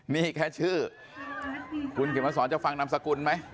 นี่แค่ชื่อคุณเข็มมาสอนจะฟังนามสกุลไหม